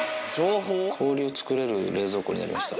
氷を作れる冷蔵庫になりました。